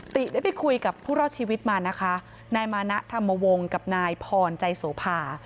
ติได้ไปคุยกับผู้รอดชีวิตมานะคะนายมานะธรรมวงศ์กับนายพรใจโสภา